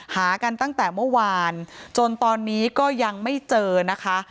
หากันตั้งแต่เมื่อวานจนตอนนี้ก็ยังไม่เจอนะคะ